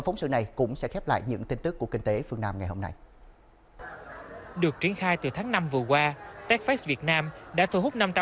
techfest việt nam đã thu hút